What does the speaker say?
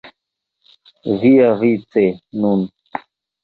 Viavice, nun!